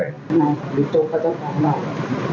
ทำไมหรือโจ๊กเขาจะป้องกันแหละ